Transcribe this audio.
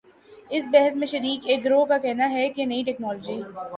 اس بحث میں شریک ایک گروہ کا کہنا ہے کہ نئی ٹیکنالوجی